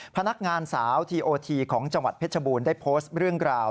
พนักงานสาวทีโอทีของจังหวัดเพชรบูรณ์ได้โพสต์เรื่องราว